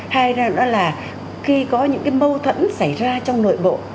hay là khi có những mâu thuẫn xảy ra trong nội bộ